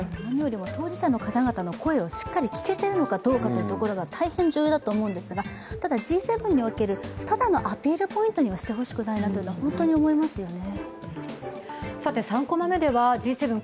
当事者の方々の声がしっかり聞けているかどうかというのが大変重要だと思うんですが、Ｇ７におけるただのアピールポイントにしてほしくはないと本当に思いますよね。